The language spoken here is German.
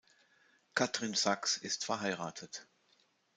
Katrin Saks ist verheiratet.